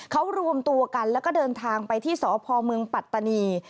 เขารวมตัวกันแล้วก็เดินทางไปที่สพเมืองปัตตานี